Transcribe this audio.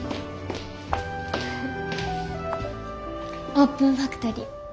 オープンファクトリー